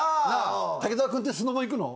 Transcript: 滝沢君ってスノボ行くの？